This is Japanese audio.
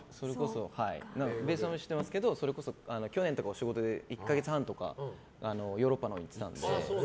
べーさんは知ってますけどそれこそ去年とかは仕事で１か月半とかヨーロッパのほうに行ってたので。